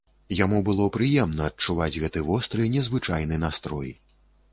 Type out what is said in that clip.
Яму было прыемна адчуваць гэты востры незвычайны настрой.